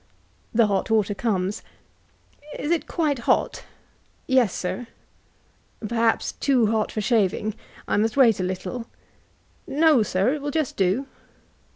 The hot water' comes. " Is it quite hot?"— "Yes, Sir."^*— ^ Per haps too hot for shaving: I must wait a httte?" *" No, Sir ; it will just do."